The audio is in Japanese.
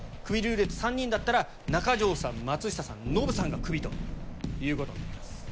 クビルーレット３人だったら中条さん松下さんノブさんがクビということになります。